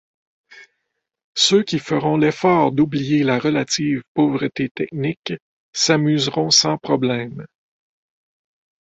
Ceux qui feront l'effort d'oublier la relative pauvreté technique s'amuseront sans problème.